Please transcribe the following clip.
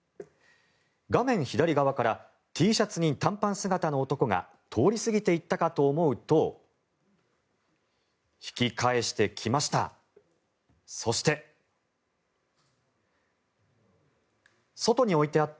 画面左側からＴシャツに短パン姿の男が通り過ぎていったかと思うと引き返してきました。